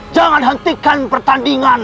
jangan hentikan pertandingan